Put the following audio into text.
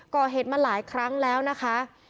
ก่อเหตุมาหลายครั้งแล้วนะคะ